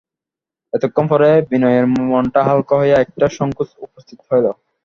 এতক্ষণ পরে বিনয়ের মনটা হালকা হইয়া একটা সংকোচ উপস্থিত হইল।